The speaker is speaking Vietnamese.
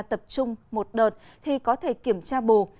tập trung một đợt thì có thể kiểm tra bù